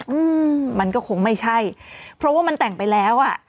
อืมมันก็คงไม่ใช่เพราะว่ามันแต่งไปแล้วอ่ะ